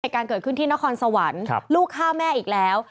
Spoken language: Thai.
การเกิดขึ้นที่นครสวรรค์ลูกฆ่าแม่อีกแล้ว